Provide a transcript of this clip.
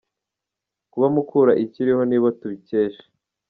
Kuba Mukura ikiriho ni bo tubikesha.